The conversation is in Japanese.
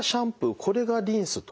これがリンスと。